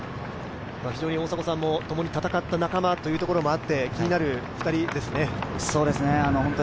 大迫さんもともに戦った仲間ということもあって、気になる２人ですね。